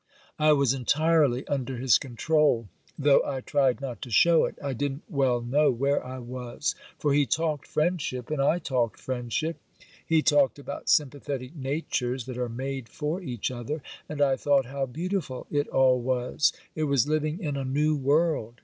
I was entirely under his control, though I tried not to show it. I didn't well know where I was, for he talked friendship, and I talked friendship; he talked about sympathetic natures that are made for each other, and I thought how beautiful it all was; it was living in a new world.